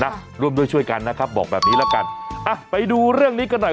ร่วมด้วยช่วยกันนะครับบอกแบบนี้แล้วกันอ่ะไปดูเรื่องนี้กันหน่อย